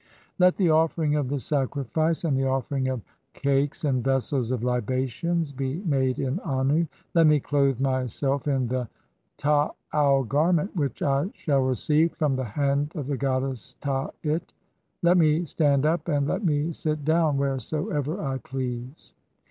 Let the offering of the sacrifice, and the offering of cakes, "and vessels of libations be made in Annu ; let me clothe my "self in (8) the tadu garment [which I shall receive] from the "hand of the goddess Tait ; let me stand up and let me sit "down (g) wheresoever I please.